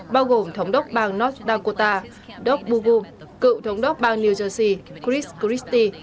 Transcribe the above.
bao gồm thống đốc bang north dakota doug boogum cựu thống đốc bang new jersey chris christie